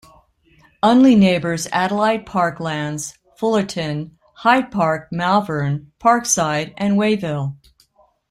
Unley neighbours Adelaide Park Lands, Fullarton, Hyde Park, Malvern, Parkside and Wayville.